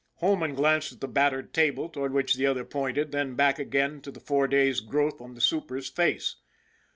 Holman glanced at the battered table toward which the other pointed, then back again to the four days' growth on the super's face.